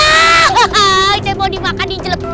oh saya mau dimakan di jelek